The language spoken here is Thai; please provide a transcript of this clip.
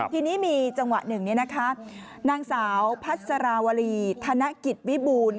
ทีนี้มีจังหวะหนึ่งนางสาวพัสราวรีธนกิจวิบูรณ์